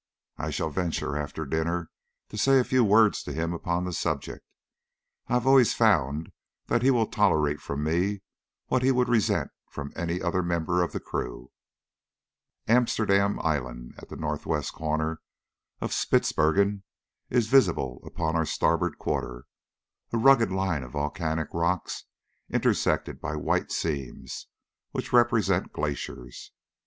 I shall venture after dinner to say a few words to him upon the subject. I have always found that he will tolerate from me what he would resent from any other member of the crew. Amsterdam Island, at the north west corner of Spitzbergen, is visible upon our starboard quarter a rugged line of volcanic rocks, intersected by white seams, which represent glaciers.